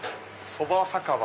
そば酒場？